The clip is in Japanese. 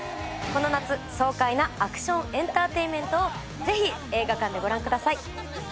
この夏爽快なアクション・エンターテインメントを是非映画館でご覧ください